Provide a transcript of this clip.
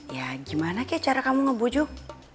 ya gimana kek cara kamu ngebujuk